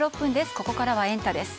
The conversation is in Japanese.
ここからはエンタ！です。